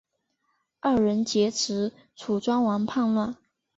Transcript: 二人劫持楚庄王叛乱。